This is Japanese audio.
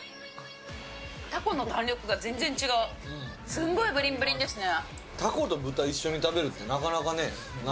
すんごいブリンブリンですね。